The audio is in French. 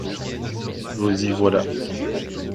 Vous y voilà.